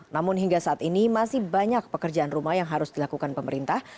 namun hingga saat ini masih banyak pekerjaan rumah yang harus dilakukan pemerintah